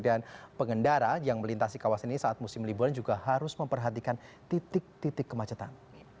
dan pengendara yang melintasi kawasan ini saat musim libur juga harus memperhatikan titik titik kemacetan